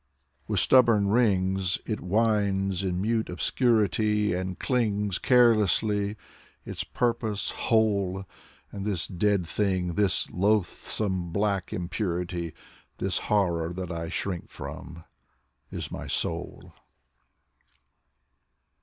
With stubborn rings it winds in mute obscurity And clings caressingly, its purpose whole. And this dead thing, this loathsome black impurity. This horror that I shrink from — is my soul.